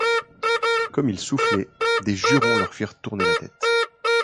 Comme ils soufflaient, des jurons leur firent tourner la tête.